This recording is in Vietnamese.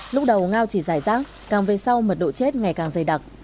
lúc đầu ngao chỉ dài rác càng về sau mật độ chết ngày càng dày đặc